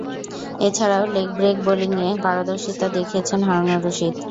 এছাড়াও leg break বোলিংয়ে পারদর্শীতা দেখিয়েছেন হারুনুর রশীদ।